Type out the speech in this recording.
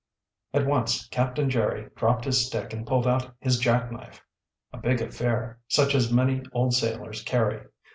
At once Captain Jerry dropped his stick and pulled out his jack knife, a big affair, such as many old sailors carry.